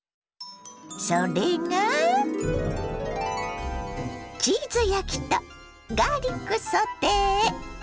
それがチーズ焼きとガーリックソテー！